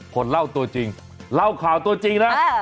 คนเล่าตัวจริงเล่าข่าวตัวจริงนะ